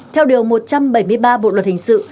theo điều một trăm bảy mươi ba bộ luật hình sự